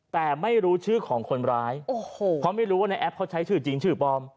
แต่ไม่รู้ชื่อของคนร้ายโอ้โหเพราะไม่รู้ว่าในแอปเขาใช้ชื่อจริงชื่อปลอม